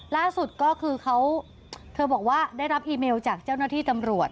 ล่าสุดก็คือเขาเธอบอกว่าได้รับอีเมลจากเจ้าหน้าที่ตำรวจ